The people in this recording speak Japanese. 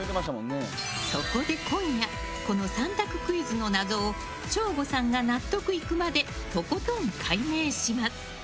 そこで今夜この３択クイズの謎を省吾さんが納得いくまでとことん解明します。